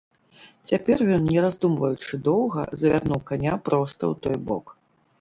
Цяпер ён, не раздумваючы доўга, завярнуў каня проста ў той бок.